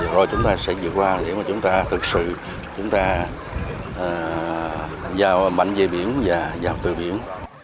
rồi chúng ta sẽ dựa qua để mà chúng ta thực sự chúng ta giàu mạnh dây biển và giàu từ biển